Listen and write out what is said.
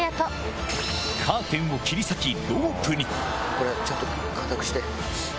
これちゃんと固くして。